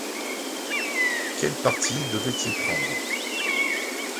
Quel parti devait-il prendre ?